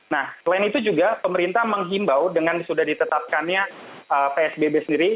nah selain itu juga pemerintah menghimbau dengan sudah ditetapkannya psbb sendiri